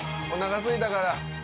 おなかすいたから。